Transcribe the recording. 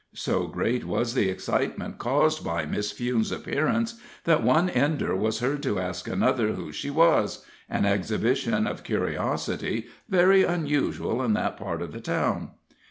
So great was the excitement caused by Miss Fewne's appearance, that one Ender was heard to ask another who she was an exhibition of curiosity very unusual in that part of the town.